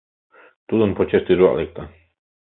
Тудын почеш тӱжвак лекте.